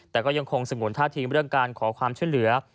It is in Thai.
แต่ยังคงสงุนท่าทีมกันการขอความช่วยเหลือ